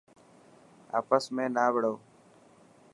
آپس ۾ نا وڙو.